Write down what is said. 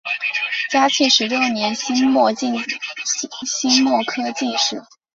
嘉庆十六年辛未科进士。